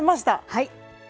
はい。